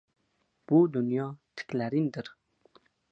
Bu dunyo tiklarindir